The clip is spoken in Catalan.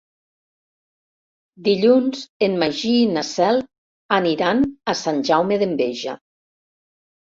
Dilluns en Magí i na Cel aniran a Sant Jaume d'Enveja.